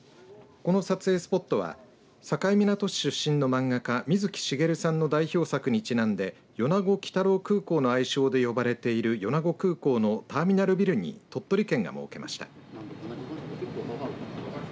この撮影スポットは境港市出身の漫画家、水木しげるさんの代表作にちなんで米子鬼太郎空港の愛称で呼ばれている米子空港のターミナルビルに鳥取県が設けました。